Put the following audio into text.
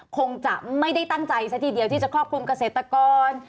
คงจะไม่ได้ตั้งใจซะทีเดียวที่จะครอบคลุมเกษตรกร